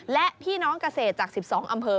และพี่น้องเกษตรจาก๑๒อำเภอ